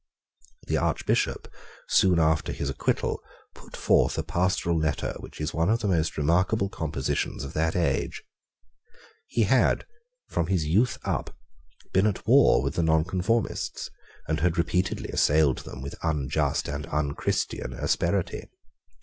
The Archbishop soon after his acquittal put forth a pastoral letter which is one of the most remarkable compositions of that age. He had, from his youth up, been at war with the Nonconformists, and had repeatedly assailed them with unjust and unchristian asperity.